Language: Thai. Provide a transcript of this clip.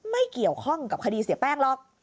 ไม่เกี่ยวข้องกับคดีเสียแป้งหรอก